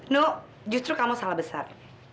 no justru kamu salah besar